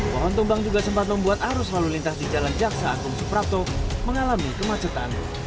pohon tumbang juga sempat membuat arus lalu lintas di jalan jaksa agung suprapto mengalami kemacetan